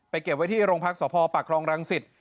ไปเก็บไว้ที่รงพักสพคลรังศิษฐ์